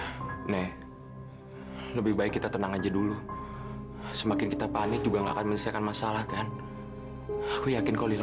hai lebih baik kita tenang aja dulu semakin kita panik juga nggak akan menyelesaikan masalah kan aku yakin kau